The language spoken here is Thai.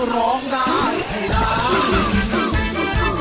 ร้องได้ให้ร้าน